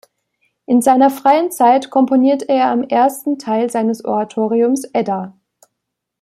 In seiner freien Zeit komponierte er am ersten Teil seines Oratoriums Edda.